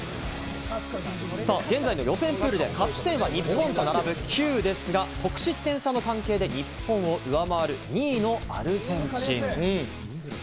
現在の予選プールで勝ち点は日本と並ぶ９ですが、得失点差の関係で日本を上回る２位のアルゼンチン。